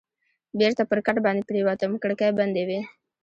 بېرته پر کټ باندې پرېوتم، کړکۍ بندې وې.